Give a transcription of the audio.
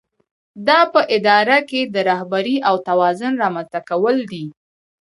دا په اداره کې د رهبرۍ او توازن رامنځته کول دي.